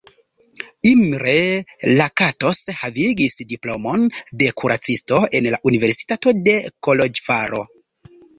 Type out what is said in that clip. Imre Lakatos havigis diplomon de kuracisto en la Universitato de Koloĵvaro.